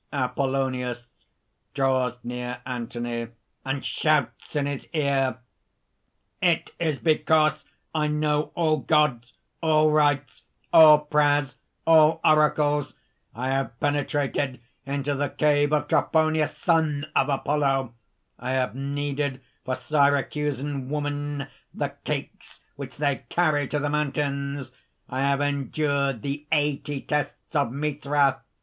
APOLLONIUS (draws near Anthony, and shouts in his ear: ) "It is because I know all gods, all rites, all prayers, all oracles! I have penetrated into the cave of Trophonius, son of Apollo! I have kneaded for Syracusan women the cakes which they carry to the mountains. I have endured the eighty tests of Mithra!